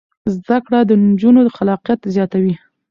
زده کړه د نجونو خلاقیت زیاتوي.